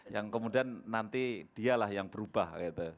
yang kemudian nanti dialah yang berubah gitu